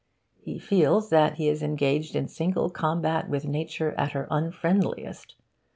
He feels that he is engaged in single combat with Nature at her unfriendliest.